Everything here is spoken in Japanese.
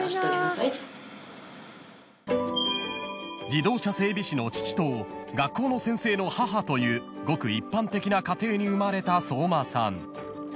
［自動車整備士の父と学校の先生の母というごく一般的な家庭に生まれた相馬さん］